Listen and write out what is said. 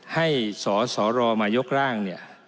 ให้สอสอรอมายกร่าง